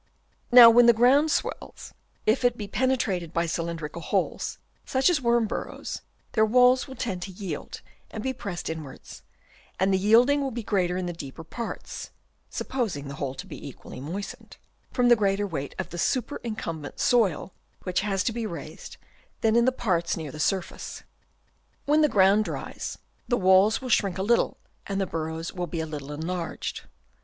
Now when the ground swells, if it be penetrated by cylindrical holes, such as worm burrows, their walls will tend to yield and be pressed inwards ; and the yielding will be greater in the deeper parts (supposing the whole to be equally moistened) from the greater weight of the superincumbent soil which has to be raised, than in the parts near the sur face. When the ground dries, the walls will shrink a little and the burrows will be a little enlarged.